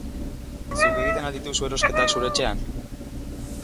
Zuk egiten al dituzu erosketak zure etxean?